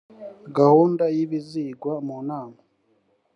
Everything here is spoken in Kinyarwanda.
gahunda y ibizigwa mu nama